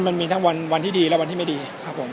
สวัสดีครับขออนุญาตถ้าใครถึงแฟนทีลักษณ์ที่เกิดอยู่แล้วค่ะ